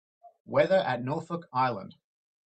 Weather at Norfolk Island